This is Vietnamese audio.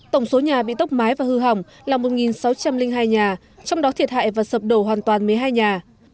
tổng số nhà bị tốc mái và hư hỏng là một sáu trăm linh hai nhà trong đó thiệt hại và sập đổ hoàn toàn một mươi hai nhà